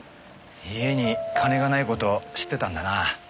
家に金がない事知ってたんだな。